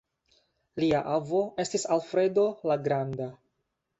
Lia avo estis Alfredo la granda.